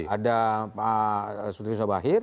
ada pak s bahir